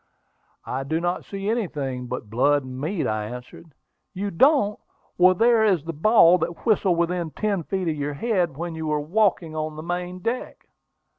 "I do not see anything but blood and meat," I answered. "You don't! Well, there is the ball that whistled within ten feet of your head when you were walking on the main deck."